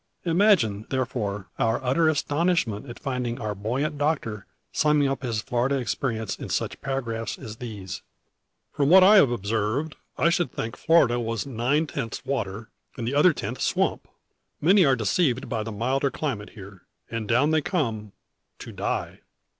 Imagine, therefore, our utter astonishment at finding our buoyant doctor summing up his Florida experience in such paragraphs as these: "From what I have observed, I should think Florida was nine tenths water, and the other tenth swamp. Many are deceived by the milder climate here; and down they come to die.